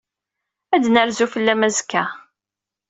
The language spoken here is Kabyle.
Ad n-nerzu fell-am azekka.